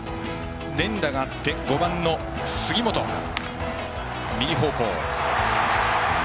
連打があって５番、杉本は右方向。